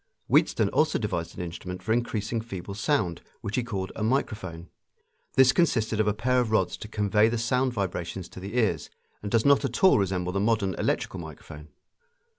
Wheatstone also devised an instrument for increasing feeble sound, which he called a microphone. This consisted of a pair of rods to convey the sound vibrations to the ears, and does not at all resemble the modern electrical microphone.